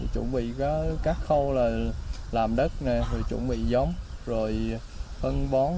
chuẩn bị các khâu là làm đất chuẩn bị giống rồi phân bón